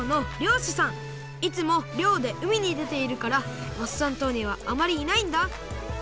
いつもりょうでうみにでているからワッサン島にはあまりいないんだ。